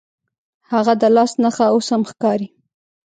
هغه د لاس نښه اوس هم ښکاري.